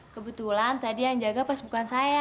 kebetulan tadi yang jaga pas bukan saya